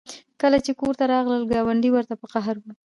کله چې کور ته راغلل ګاونډۍ ورته په قهر وه